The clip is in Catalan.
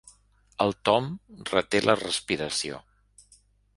El Tom reté la respiració.